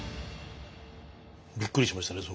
びっくりしましたね。